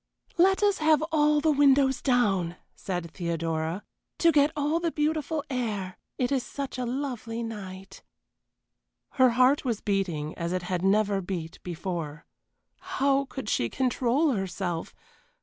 "Let us have all the windows down," said Theodora, "to get all the beautiful air it is such a lovely night." Her heart was beating as it had never beat before. How could she control herself!